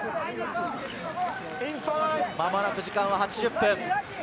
間もなく時間は８０分。